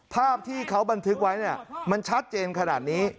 ภาพที่เขาบันทึกไว้มันชัดเจนขนาดนี้